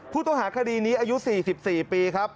ผู้ต้องหาคดีนี้อายุ๔๔ปีครับ